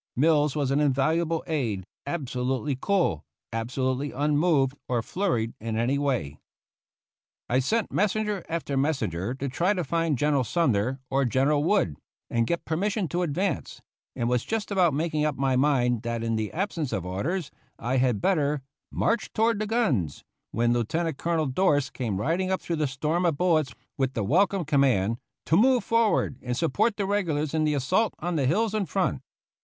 Mills was an invaluable aide, absolutely cool, absolutely unmoved or flurried in any way. I sent messenger after messenger to try to find General Sumner or General Wood and get pen mission to advance, and was just about making up my mind that in the absence of orders I had better " march toward the guns," when Lieutenant Colonel Dorst came riding up through the storm of bullets with the welcome command " to move forward and support the regulars in the assault on the hills in front."